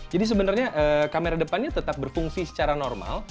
jadi sebenarnya kamera depannya tetap berfungsi secara normal